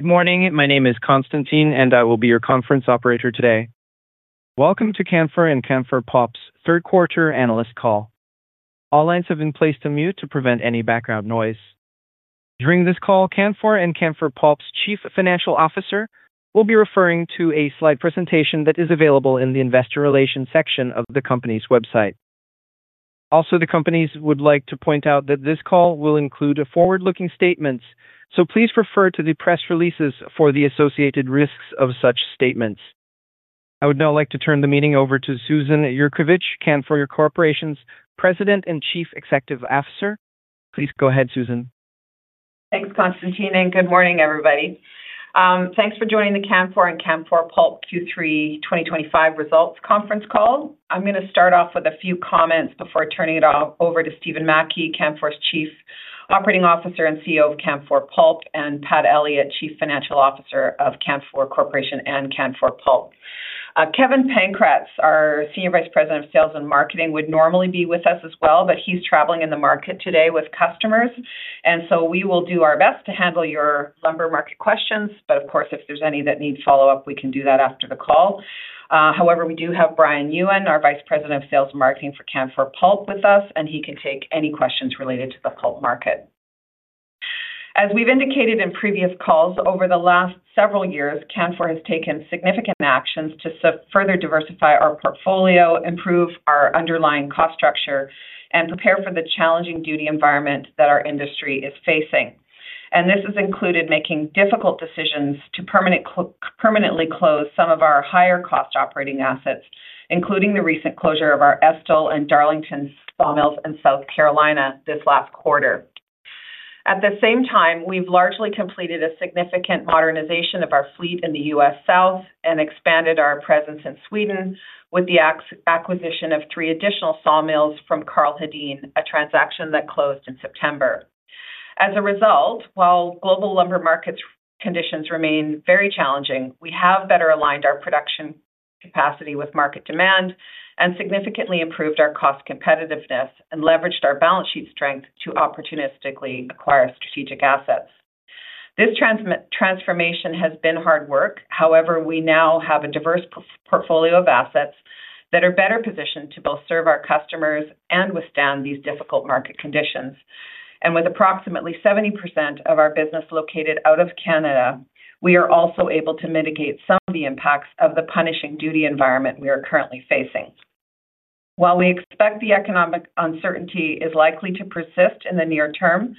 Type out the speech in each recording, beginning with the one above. Good morning, my name is Konstantin, and I will be your conference operator today. Welcome to Canfor and Canfor Pulp's Third-Quarter analyst call. All lines have been placed on mute to prevent any background noise. During this call, Canfor and Canfor Pulp's Chief Financial Officer will be referring to a slide presentation that is available in the investor relations section of the company's website. Also, the companies would like to point out that this call will include forward-looking statements, so please refer to the press releases for the associated risks of such statements. I would now like to turn the meeting over to Susan Yurkovich, Canfor Corporation's President and Chief Executive Officer. Please go ahead, Susan. Thanks, Konstantin. Good morning, everybody. Thanks for joining the Canfor and Canfor Pulp Q3 2025 results conference call. I'm going to start off with a few comments before turning it over to Stephen Mackie, Canfor's Chief Operating Officer and CEO of Canfor Pulp, and Pat Elliott, Chief Financial Officer of Canfor Corporation and Canfor Pulp. Kevin Pankratz, our Senior Vice President of Sales and Marketing, would normally be with us as well, but he's traveling in the market today with customers, and we will do our best to handle your lumber market questions. Of course, if there's any that need follow-up, we can do that after the call. However, we do have Brian Yuen, our Vice President of Sales and Marketing for Canfor Pulp with us, and he can take any questions related to the pulp market. As we have indicated in previous calls, over the last several years, Canfor has taken significant actions to further diversify our portfolio, improve our underlying cost structure, and prepare for the challenging duty environment that our industry is facing. This has included making difficult decisions to permanently close some of our higher-cost operating assets, including the recent closure of our Estill and Darlington sawmills in South Carolina this last quarter. At the same time, we have largely completed a significant modernization of our fleet in the U.S. South and expanded our presence in Sweden with the acquisition of three additional sawmills from Karl Hedin, a transaction that closed in September. As a result, while global lumber market conditions remain very challenging, we have better aligned our production capacity with market demand and significantly improved our cost competitiveness and leveraged our balance sheet strength to opportunistically acquire strategic assets. This transformation has been hard work. However, we now have a diverse portfolio of assets that are better positioned to both serve our customers and withstand these difficult market conditions. With approximately 70% of our business located out of Canada, we are also able to mitigate some of the impacts of the punishing duty environment we are currently facing. While we expect the economic uncertainty is likely to persist in the near term,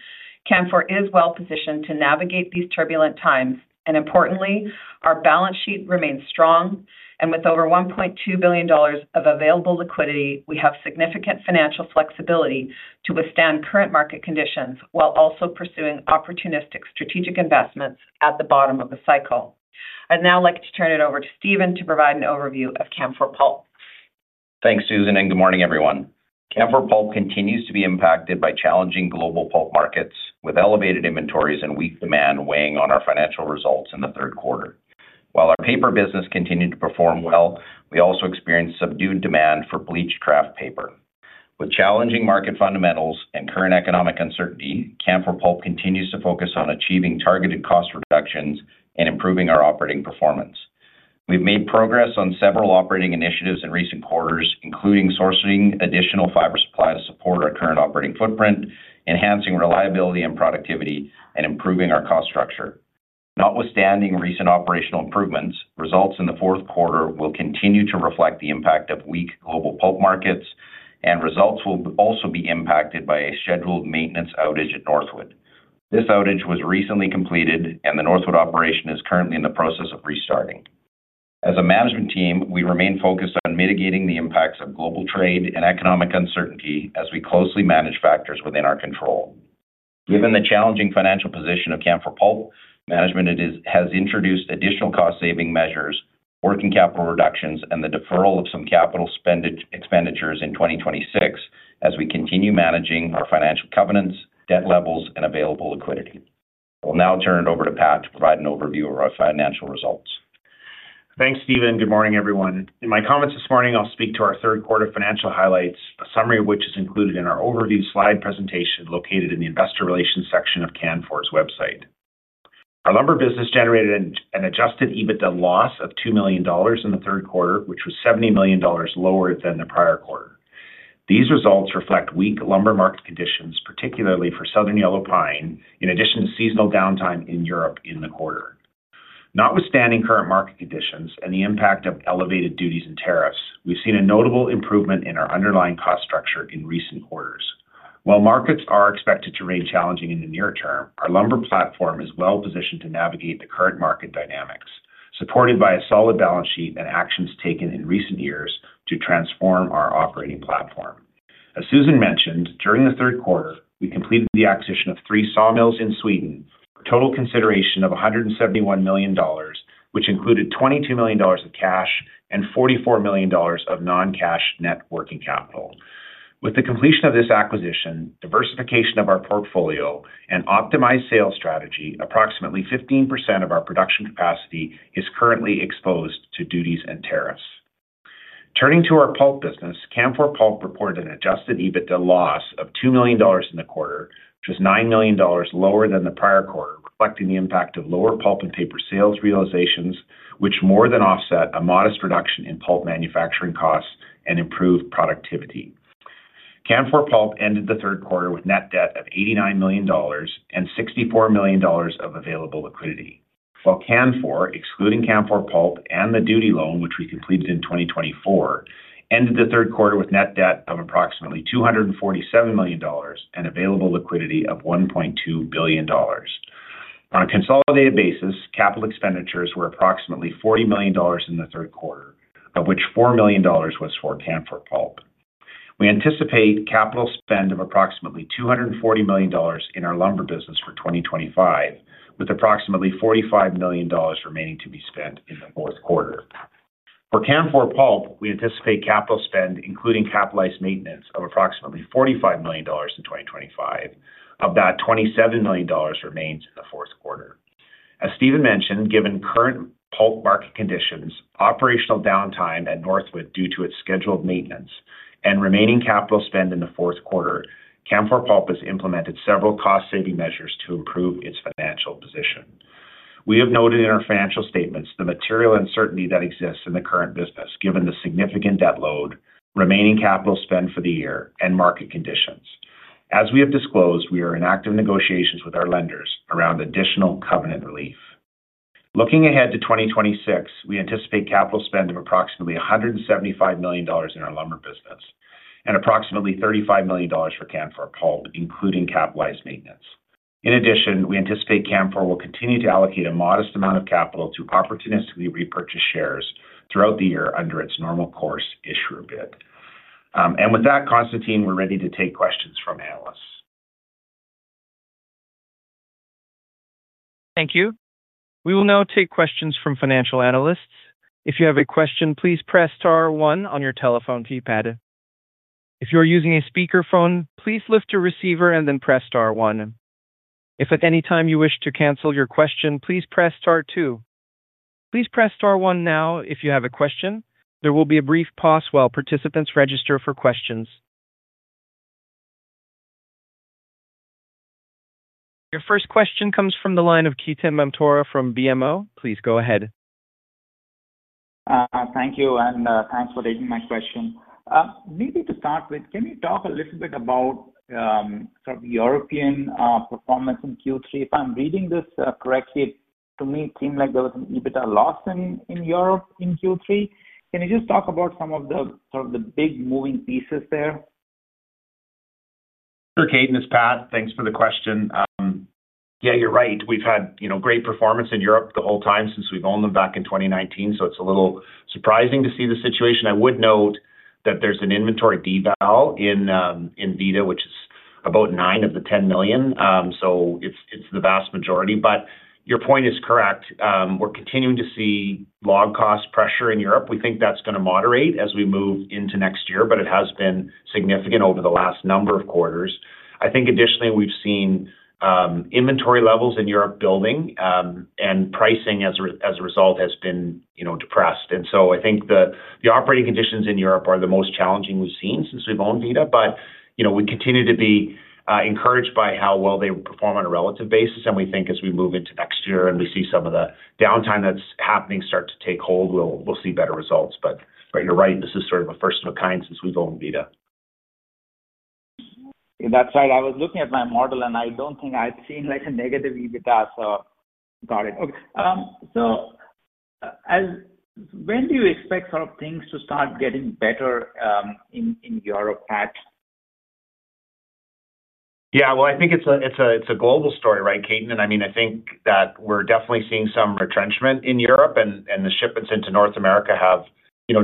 Canfor is well positioned to navigate these turbulent times. Importantly, our balance sheet remains strong, and with over 1.2 billion dollars of available liquidity, we have significant financial flexibility to withstand current market conditions while also pursuing opportunistic strategic investments at the bottom of the cycle. I'd now like to turn it over to Stephen to provide an overview of Canfor Pulp. Thanks, Susan, and good morning, everyone. Canfor Pulp continues to be impacted by challenging global pulp markets, with elevated inventories and weak demand weighing on our financial results in the third quarter. While our paper business continued to perform well, we also experienced subdued demand for bleached kraft paper. With challenging market fundamentals and current economic uncertainty, Canfor Pulp continues to focus on achieving targeted cost reductions and improving our operating performance. We've made progress on several operating initiatives in recent quarters, including sourcing additional fiber supply to support our current operating footprint, enhancing reliability and productivity, and improving our cost structure. Notwithstanding recent operational improvements, results in the fourth quarter will continue to reflect the impact of weak global pulp markets, and results will also be impacted by a scheduled maintenance outage at Northwood. This outage was recently completed, and the Northwood operation is currently in the process of restarting. As a management team, we remain focused on mitigating the impacts of global trade and economic uncertainty as we closely manage factors within our control. Given the challenging financial position of Canfor Pulp, management has introduced additional cost-saving measures, working capital reductions, and the deferral of some capital expenditures in 2026 as we continue managing our financial covenants, debt levels, and available liquidity. I will now turn it over to Pat to provide an overview of our financial results. Thanks, Stephen. Good morning, everyone. In my comments this morning, I'll speak to our third-quarter financial highlights, a summary of which is included in our overview slide presentation located in the investor relations section of Canfor's website. Our lumber business generated an adjusted EBITDA loss of 2 million dollars in the third quarter, which was 70 million dollars lower than the prior quarter. These results reflect weak lumber market conditions, particularly for Southern Yellow Pine, in addition to seasonal downtime in Europe in the quarter. Notwithstanding current market conditions and the impact of elevated duties and tariffs, we've seen a notable improvement in our underlying cost structure in recent quarters. While markets are expected to remain challenging in the near term, our lumber platform is well positioned to navigate the current market dynamics, supported by a solid balance sheet and actions taken in recent years to transform our operating platform. As Susan mentioned, during the third quarter, we completed the acquisition of three sawmills in Sweden for a total consideration of 171 million dollars, which included 22 million dollars of cash and 44 million dollars of non-cash net working capital. With the completion of this acquisition, diversification of our portfolio, and optimized sales strategy, approximately 15% of our production capacity is currently exposed to duties and tariffs. Turning to our pulp business, Canfor Pulp reported an adjusted EBITDA loss of 2 million dollars in the quarter, which was 9 million dollars lower than the prior quarter, reflecting the impact of lower pulp and paper sales realizations, which more than offset a modest reduction in pulp manufacturing costs and improved productivity. Canfor Pulp ended the third quarter with net debt of 89 million dollars and 64 million dollars of available liquidity, while Canfor, excluding Canfor Pulp and the duty loan, which we completed in 2024, ended the third quarter with net debt of approximately 247 million dollars and available liquidity of 1.2 billion dollars. On a consolidated basis, capital expenditures were approximately 40 million dollars in the third quarter, of which 4 million dollars was for Canfor Pulp. We anticipate capital spend of approximately 240 million dollars in our lumber business for 2025, with approximately 45 million dollars remaining to be spent in the fourth quarter. For Canfor Pulp, we anticipate capital spend, including capitalized maintenance, of approximately 45 million dollars in 2025, of that 27 million dollars remains in the fourth quarter. As Stephen mentioned, given current pulp market conditions, operational downtime at Northwood due to its scheduled maintenance, and remaining capital spend in the fourth quarter, Canfor Pulp has implemented several cost-saving measures to improve its financial position. We have noted in our financial statements the material uncertainty that exists in the current business, given the significant debt load, remaining capital spend for the year, and market conditions. As we have disclosed, we are in active negotiations with our lenders around additional covenant relief. Looking ahead to 2026, we anticipate capital spend of approximately 175 million dollars in our lumber business and approximately 35 million dollars for Canfor Pulp, including capitalized maintenance. In addition, we anticipate Canfor will continue to allocate a modest amount of capital to opportunistically repurchase shares throughout the year under its normal course issuer bid. Konstantin, we're ready to take questions from analysts. Thank you. We will now take questions from financial analysts. If you have a question, please press star one on your telephone. If you are using a speakerphone, please lift your receiver and then press star one. If at any time you wish to cancel your question, please press star two. Please press star one now if you have a question. There will be a brief pause while participants register for questions. Your first question comes from the line of Ketan Mamtora from BMO. Please go ahead. Thank you, and thanks for taking my question. Maybe to start with, can you talk a little bit about sort of European performance in Q3? If I'm reading this correctly, to me, it seemed like there was an EBITDA loss in Europe in Q3. Can you just talk about some of the sort of the big moving pieces there? Sure, Ketan, it's Pat, thanks for the question. Yeah, you're right. We've had great performance in Europe the whole time since we've owned them back in 2019, so it's a little surprising to see the situation. I would note that there's an inventory deval in Vida, which is about 9 million of the 10 million. So it's the vast majority. Your point is correct. We're continuing to see log cost pressure in Europe. We think that's going to moderate as we move into next year, but it has been significant over the last number of quarters. I think additionally, we've seen inventory levels in Europe building, and pricing as a result has been depressed. I think the operating conditions in Europe are the most challenging we've seen since we've owned Vida. We continue to be encouraged by how well they perform on a relative basis. We think as we move into next year and we see some of the downtime that is happening start to take hold, we will see better results. You are right, this is sort of a first of a kind since we have owned Vida. In that side, I was looking at my model, and I do not think I have seen a negative EBITDA, so. Got it. When do you expect sort of things to start getting better. In Europe, Pat? Yeah, I think it's a global story, right, Ketan. I mean, I think that we're definitely seeing some retrenchment in Europe, and the shipments into North America have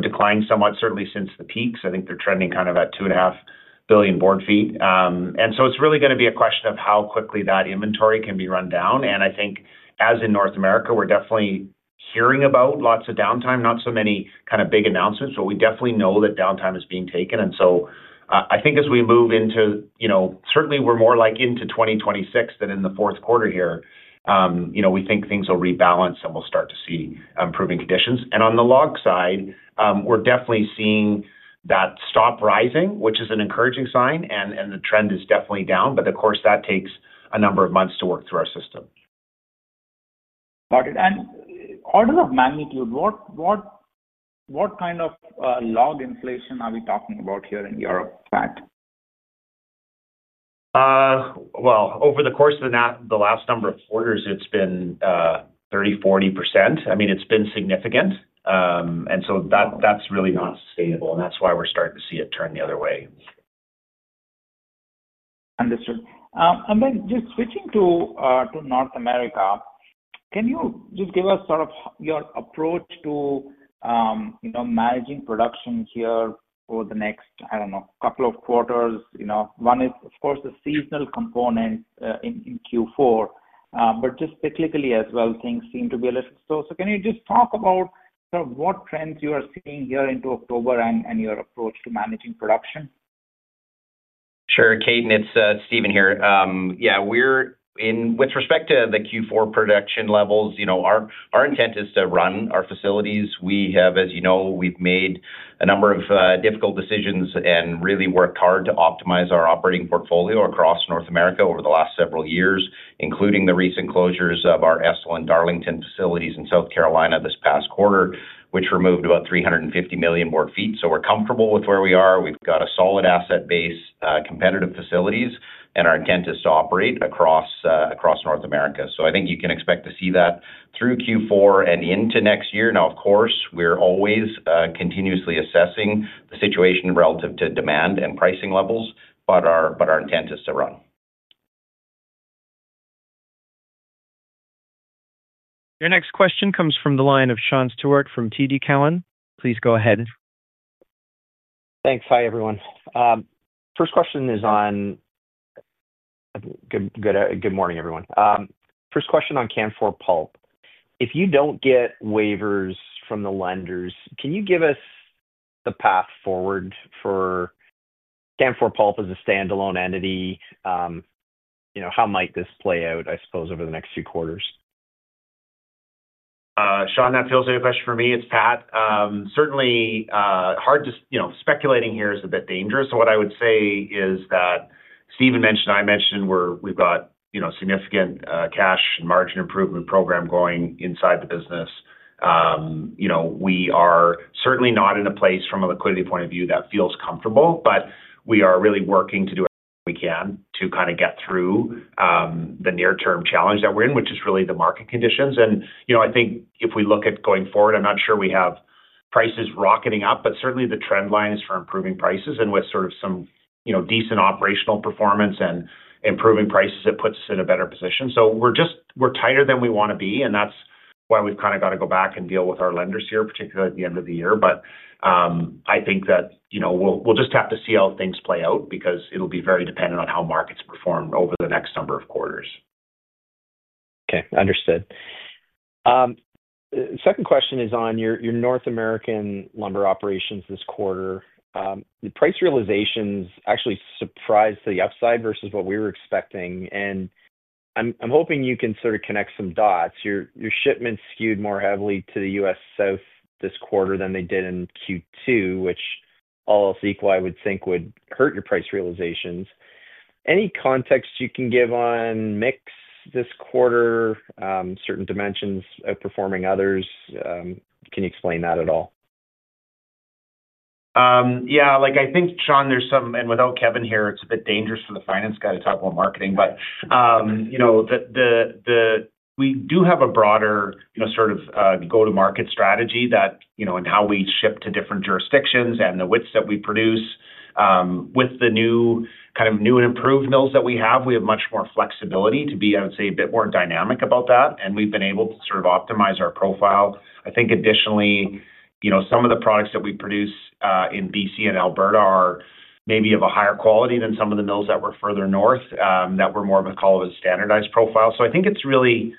declined somewhat, certainly since the peaks. I think they're trending kind of at 2.5 billion board feet. It's really going to be a question of how quickly that inventory can be run down. I think as in North America, we're definitely hearing about lots of downtime, not so many kind of big announcements, but we definitely know that downtime is being taken. I think as we move into, certainly we're more like into 2026 than in the fourth quarter here. We think things will rebalance and we'll start to see improving conditions. On the log side, we're definitely seeing that stop rising, which is an encouraging sign, and the trend is definitely down. Of course, that takes a number of months to work through our system. Got it. And order of magnitude, what kind of log inflation are we talking about here in Europe, Pat? Over the course of the last number of quarters, it's been 30%-40%. I mean, it's been significant. That's really not sustainable, and that's why we're starting to see it turn the other way. Understood. And then just switching to North America, can you just give us sort of your approach to managing production here for the next, I do not know, couple of quarters? One is, of course, the seasonal component in Q4, but just cyclically as well, things seem to be a little slow. Can you just talk about what trends you are seeing here into October and your approach to managing production? Sure, Ketan, and it's Stephen here. Yeah, with respect to the Q4 production levels, our intent is to run our facilities. We have, as you know, made a number of difficult decisions and really worked hard to optimize our operating portfolio across North America over the last several years, including the recent closures of our Estill and Darlington facilities in South Carolina this past quarter, which removed about 350 million board feet. We are comfortable with where we are. We have got a solid asset base, competitive facilities, and our intent is to operate across North America. I think you can expect to see that through Q4 and into next year. Now, of course, we are always continuously assessing the situation relative to demand and pricing levels, but our intent is to run. Your next question comes from the line of Sean Steuart from TD Cowen. Please go ahead. Thanks. Hi, everyone. First question is on. Good morning, everyone. First question on Canfor Pulp. If you do not get waivers from the lenders, can you give us the path forward for Canfor Pulp as a standalone entity? How might this play out, I suppose, over the next few quarters? Sean, that feels like a question for me. It's Pat. Certainly. Speculating here is a bit dangerous. What I would say is that Stephen mentioned, I mentioned, we've got significant cash and margin improvement program going inside the business. We are certainly not in a place, from a liquidity point of view, that feels comfortable, but we are really working to do everything we can to kind of get through. The near-term challenge that we're in, which is really the market conditions. I think if we look at going forward, I'm not sure we have prices rocketing up, but certainly the trend line is for improving prices and with sort of some decent operational performance and improving prices, it puts us in a better position. We're tighter than we want to be, and that's why we've kind of got to go back and deal with our lenders here, particularly at the end of the year. I think that we'll just have to see how things play out because it'll be very dependent on how markets perform over the next number of quarters. Okay. Understood. Second question is on your North American lumber operations this quarter. The price realizations actually surprised to the upside versus what we were expecting. I'm hoping you can sort of connect some dots. Your shipments skewed more heavily to the U.S. South this quarter than they did in Q2, which all else equal, I would think would hurt your price realizations. Any context you can give on mix this quarter, certain dimensions outperforming others? Can you explain that at all? Yeah. I think, Sean, there's some, and without Kevin here, it's a bit dangerous for the finance guy to talk about marketing, but. We do have a broader sort of go-to-market strategy in how we ship to different jurisdictions and the widths that we produce. With the kind of new and improved mills that we have, we have much more flexibility to be, I would say, a bit more dynamic about that. We have been able to sort of optimize our profile. I think additionally, some of the products that we produce in BC and Alberta are maybe of a higher quality than some of the mills that were further north that were more of a standardized profile. I think it's really.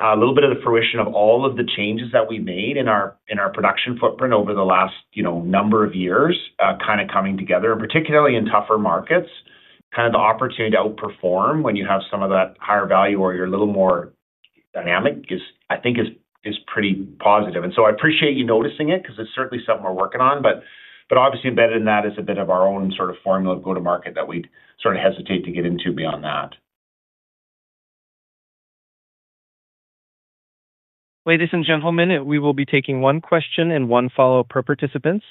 A little bit of the fruition of all of the changes that we've made in our production footprint over the last number of years kind of coming together, and particularly in tougher markets, kind of the opportunity to outperform when you have some of that higher value or you're a little more dynamic, I think, is pretty positive. I appreciate you noticing it because it's certainly something we're working on. Obviously, embedded in that is a bit of our own sort of formula of go-to-market that we'd sort of hesitate to get into beyond that. Ladies and gentlemen, we will be taking one question and one follow-up per participant.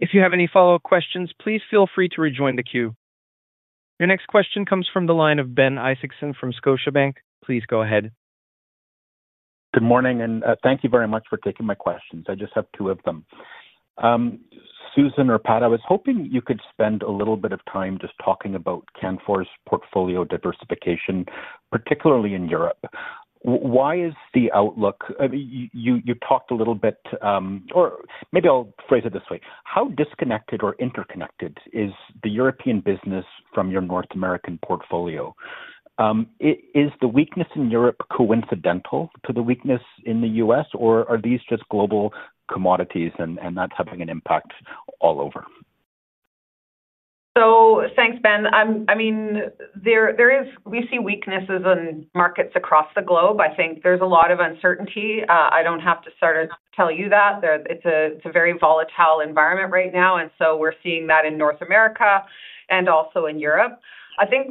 If you have any follow-up questions, please feel free to rejoin the queue. Your next question comes from the line of Ben Isaacson from Scotiabank. Please go ahead. Good morning, and thank you very much for taking my questions. I just have two of them. Susan or Pat, I was hoping you could spend a little bit of time just talking about Canfor's portfolio diversification, particularly in Europe. What is the outlook? You talked a little bit, or maybe I'll phrase it this way. How disconnected or interconnected is the European business from your North American portfolio? Is the weakness in Europe coincidental to the weakness in the U.S., or are these just global commodities, and that's having an impact all over? Thanks, Ben. I mean, we see weaknesses in markets across the globe. I think there's a lot of uncertainty. I don't have to sort of tell you that. It's a very volatile environment right now. We're seeing that in North America and also in Europe. I think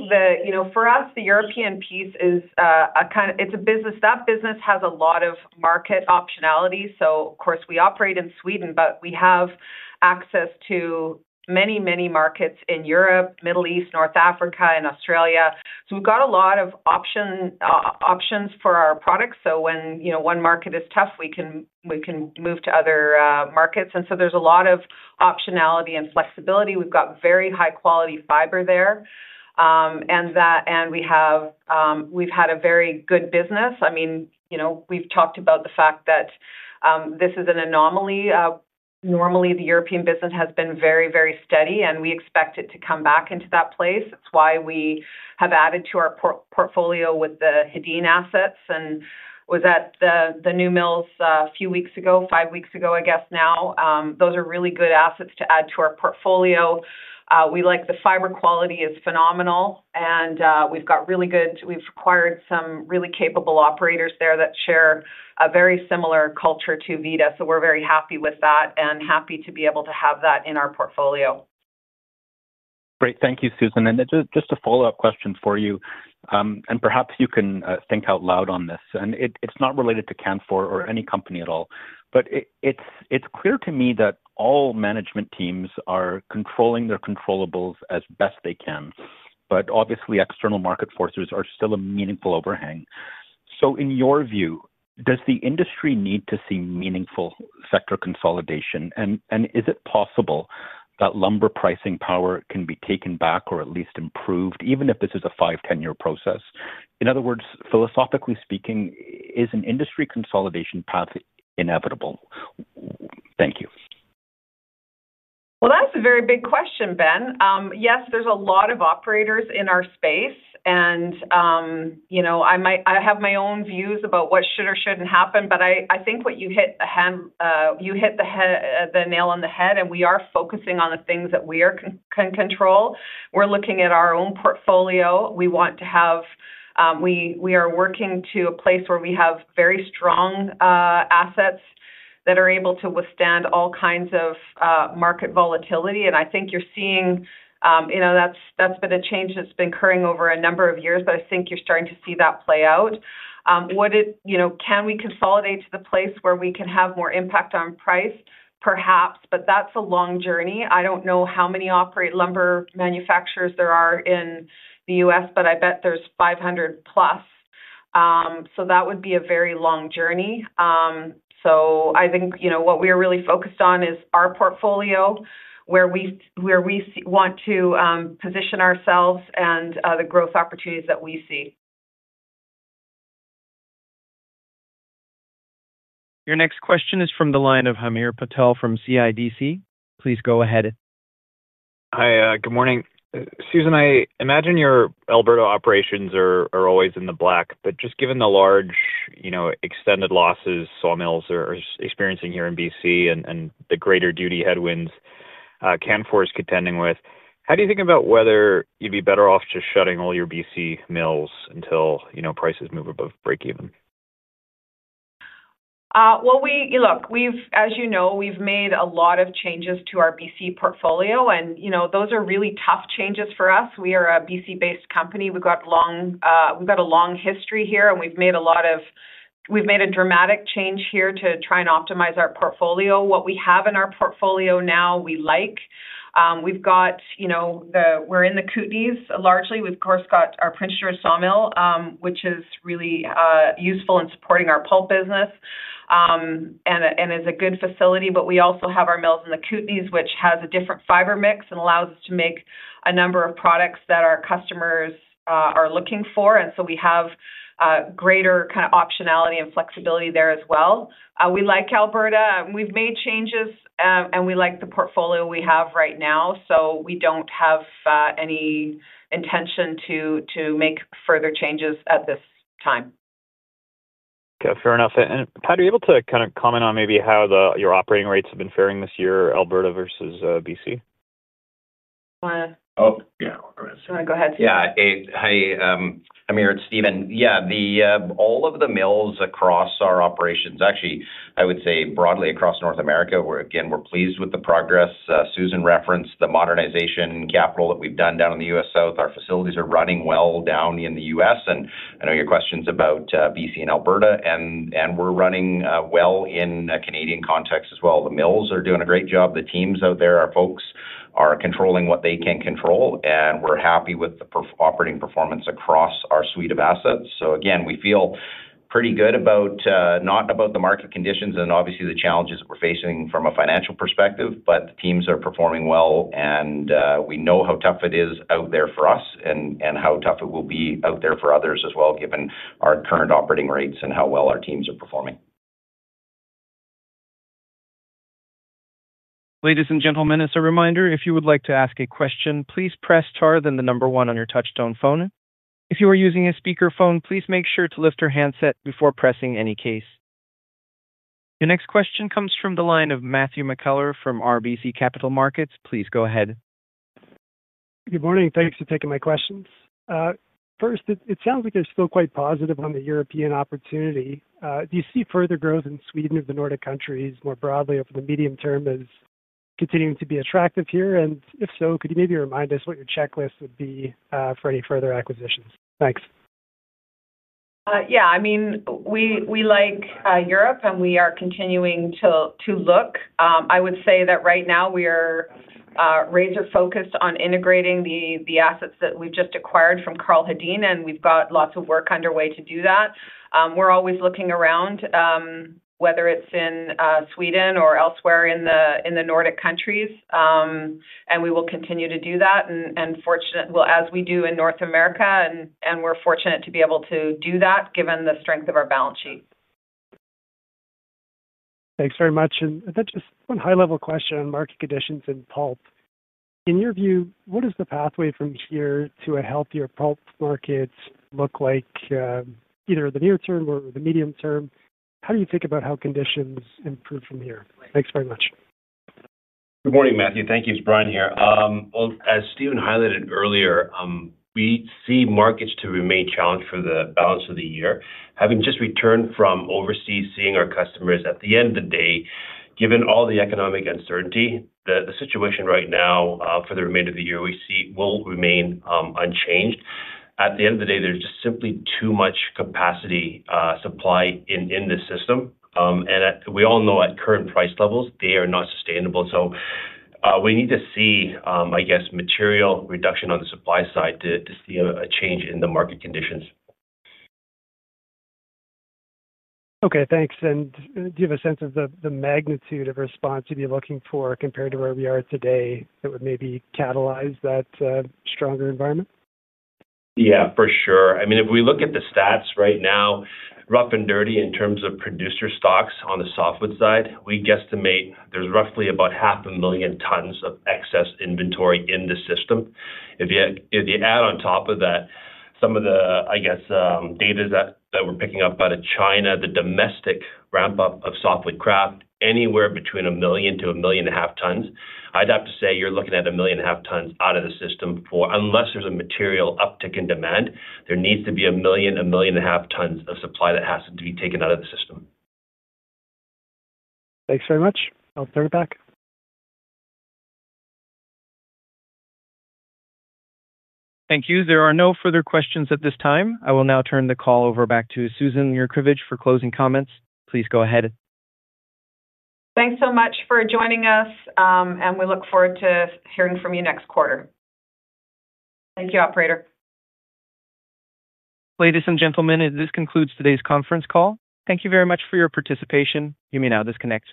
for us, the European piece is kind of, it's a business. That business has a lot of market optionality. Of course, we operate in Sweden, but we have access to many, many markets in Europe, Middle East, North Africa, and Australia. We've got a lot of options for our products. When one market is tough, we can move to other markets. There's a lot of optionality and flexibility. We've got very high-quality fiber there. We've had a very good business. I mean, we've talked about the fact that this is an anomaly. Normally, the European business has been very, very steady, and we expect it to come back into that place. It is why we have added to our portfolio with the Hedin assets and was at the new mills a few weeks ago, five weeks ago, I guess now. Those are really good assets to add to our portfolio. We like the fiber quality, it is phenomenal, and we have got really good, we have acquired some really capable operators there that share a very similar culture to Vida. We are very happy with that and happy to be able to have that in our portfolio. Great. Thank you, Susan. Just a follow-up question for you, and perhaps you can think out loud on this. It's not related to Canfor or any company at all, but it's clear to me that all management teams are controlling their controllable as best they can. Obviously, external market forces are still a meaningful overhang. In your view, does the industry need to see meaningful sector consolidation? Is it possible that lumber pricing power can be taken back or at least improved, even if this is a 5-10 year process? In other words, philosophically speaking, is an industry consolidation path inevitable? Thank you. That is a very big question, Ben. Yes, there are a lot of operators in our space. I have my own views about what should or should not happen. I think you hit the nail on the head, and we are focusing on the things that we can control. We are looking at our own portfolio. We want to have, we are working to a place where we have very strong assets that are able to withstand all kinds of market volatility. I think you are seeing that has been a change that has been occurring over a number of years, but I think you are starting to see that play out. Can we consolidate to the place where we can have more impact on price? Perhaps, but that is a long journey. I do not know how many lumber manufacturers there are in the U.S., but I bet there are 500-plus. That would be a very long journey. I think what we are really focused on is our portfolio, where we want to position ourselves and the growth opportunities that we see. Your next question is from the line of Hamir Patel from CIBC. Please go ahead. Hi, good morning. Susan, I imagine your Alberta operations are always in the black, but just given the large, extended losses sawmills are experiencing here in BC and the greater duty headwinds Canfor is contending with, how do you think about whether you'd be better off just shutting all your BC mills until prices move above break-even? As you know, we've made a lot of changes to our BC portfolio, and those are really tough changes for us. We are a BC-based company. We've got a long history here, and we've made a dramatic change here to try and optimize our portfolio. What we have in our portfolio now, we like. We're in the Kootenays largely. We've, of course, got our Prince George sawmill, which is really useful in supporting our pulp business and is a good facility. We also have our mills in the Kootenays, which has a different fiber mix and allows us to make a number of products that our customers are looking for. We have greater kind of optionality and flexibility there as well. We like Alberta. We've made changes, and we like the portfolio we have right now. We don't have any intention to make further changes at this time. Fair enough. Pat, are you able to kind of comment on maybe how your operating rates have been faring this year, Alberta versus BC? Oh, yeah. Go ahead. Yeah. Hi, I'm here, it's Stephen. Yeah. All of the mills across our operations, actually, I would say broadly across North America, again, we're pleased with the progress. Susan referenced the modernization capital that we've done down in the U.S. South. Our facilities are running well down in the U.S. I know your question's about BC and Alberta, and we're running well in a Canadian context as well. The mills are doing a great job. The teams out there, our folks are controlling what they can control, and we're happy with the operating performance across our suite of assets. Again, we feel pretty good about not about the market conditions and obviously the challenges that we're facing from a financial perspective, but the teams are performing well, and we know how tough it is out there for us and how tough it will be out there for others as well, given our current operating rates and how well our teams are performing. Ladies and gentlemen, as a reminder, if you would like to ask a question, please press star then the number one on your touchstone phone. If you are using a speakerphone, please make sure to lift your handset before pressing any keys. Your next question comes from the line of Matthew McKellar from RBC Capital Markets. Please go ahead. Good morning. Thanks for taking my questions. First, it sounds like you're still quite positive on the European opportunity. Do you see further growth in Sweden or the Nordic countries more broadly over the medium term as continuing to be attractive here? If so, could you maybe remind us what your checklist would be for any further acquisitions? Thanks. Yeah. I mean, we like Europe, and we are continuing to look. I would say that right now, we are razor-focused on integrating the assets that we've just acquired from Karl Hedin, and we've got lots of work underway to do that. We're always looking around, whether it's in Sweden or elsewhere in the Nordic countries. We will continue to do that, as we do in North America, and we're fortunate to be able to do that given the strength of our balance sheet. Thanks very much. Just one high-level question on market conditions in pulp. In your view, what does the pathway from here to a healthier pulp market look like, either the near term or the medium term? How do you think about how conditions improve from here? Thanks very much. Good morning, Matthew. Thank you. It is Brian here. As Stephen highlighted earlier, we see markets to remain challenged for the balance of the year. Having just returned from overseas, seeing our customers, at the end of the day, given all the economic uncertainty, the situation right now for the remainder of the year we see will remain unchanged. At the end of the day, there is just simply too much capacity supply in this system. We all know at current price levels, they are not sustainable. We need to see, I guess, material reduction on the supply side to see a change in the market conditions. Okay. Thanks. Do you have a sense of the magnitude of response you'd be looking for compared to where we are today that would maybe catalyze that stronger environment? Yeah, for sure. I mean, if we look at the stats right now, rough and dirty in terms of producer stocks on the softwood side, we guesstimate there's roughly about 500,000 tons of excess inventory in the system. If you add on top of that some of the, I guess, data that we're picking up out of China, the domestic ramp-up of softwood kraft, anywhere between 1,000,000-1,500,000 tons, I'd have to say you're looking at 1,500,000 tons out of the system for unless there's a material uptick in demand, there needs to be 1,000,000-1,500,000 tons of supply that has to be taken out of the system. Thanks very much. I'll turn it back. Thank you. There are no further questions at this time. I will now turn the call over back to Susan Yurkovich for closing comments. Please go ahead. Thanks so much for joining us, and we look forward to hearing from you next quarter. Thank you, operator. Ladies and gentlemen, this concludes today's conference call. Thank you very much for your participation. You may now disconnect.